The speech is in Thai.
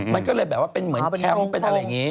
มันก็เลยแบบว่าเป็นเหมือนแคมป์เป็นอะไรอย่างนี้